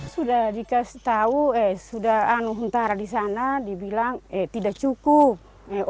sudah dikasih tahu eh sudah anu huntara di sana dibilang tidak cukup